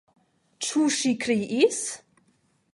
Ĉu ŝi kriis?